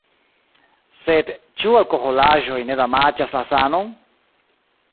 Sed ĉu alkoholaĵoj ne damaĝas la sanon?